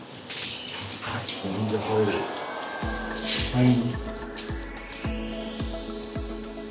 はい。